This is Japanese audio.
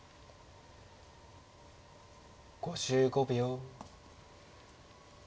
５５秒。